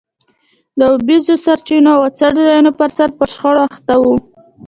د اوبیزو سرچینو او څړځایونو پرسر پر شخړو اخته وو.